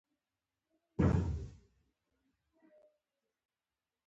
خو د دوی کړنې په عمل کې د طالبانو په ګټه تمامېږي